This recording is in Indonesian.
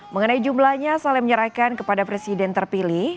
mengenai jumlahnya saleh menyerahkan kepada presiden terpilih